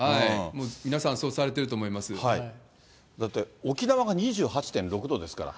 皆さん、そうされてると思いだって、沖縄が２８．６度ですから。